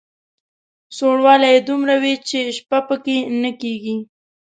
سوړوالی یې دومره وي چې شپه په کې نه کېږي.